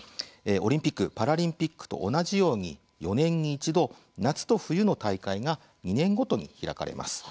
オリンピック・パラリンピックと同じように４年に１度夏と冬の大会が２年ごとに開かれます。